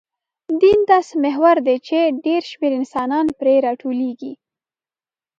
دین داسې محور دی، چې ډېر شمېر انسانان پرې راټولېږي.